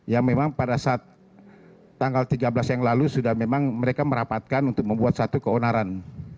yang memang pada saat tanggal tiga belas yang lalu sudah memang mereka merapatkan untuk membuat satu keonaran